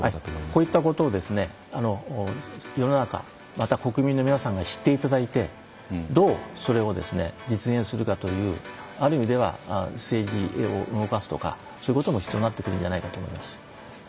こういったことを世の中また国民の皆さんが知っていただいてどうそれを実現するかというある意味では政治を動かすとかそういうことも必要になってくるんじゃないかと思います。